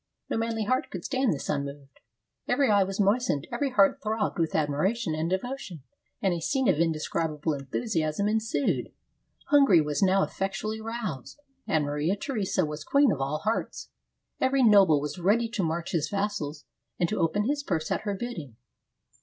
No manly heart could stand this un moved. Every eye was moistened, every heart throbbed with admiration and devotion, and a scene of indescrib able enthusiasm ensued. Hungary was now effectually roused, and Maria Theresa was queen of all hearts. Every noble was ready to march his vassals and to open his purse at her bidding.